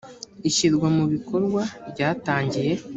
ishyirwa mubikorwa ryatangiye.